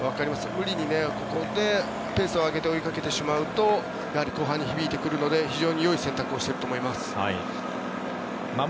無理にここでペースを上げて追いかけてしまうと後半に響いてくるので非常によい選択をしていると思います。